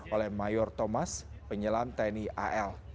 oleh mayor thomas penyelam tni al